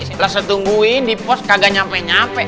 setelah saya tungguin di pos kagak nyampe nyampe